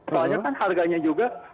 soalnya kan harganya juga